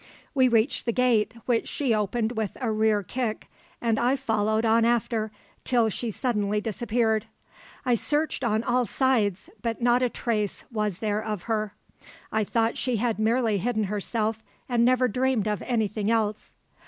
We reached the gate, which she opened with a rear kick, and I followed on after, till she suddenly disappeared. I searched on all sides, but not a trace was there of her. I thought she had merely hidden herself, and never dreamed of anything else.